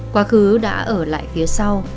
quá khứ đã ở lại phía sau